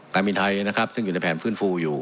การบินไทยนะครับซึ่งอยู่ในแผนฟื้นฟูอยู่